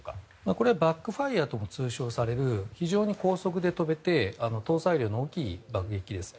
これはバックファイアと通称される、非常に高速で飛べて搭載量の大きい爆撃機です。